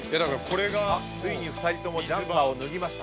ついに２人ともジャンパーを脱ぎました。